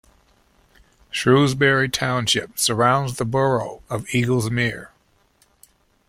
Shrewsbury Township surrounds the borough of Eagles Mere.